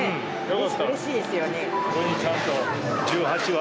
うれしいですよね。